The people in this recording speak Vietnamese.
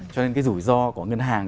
cho nên cái rủi ro của ngân hàng